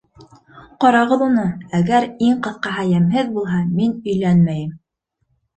Ҡарағыҙ уны, әгәр иң ҡыҫҡаһы йәмһеҙ булһа, мин өйләнмәйем.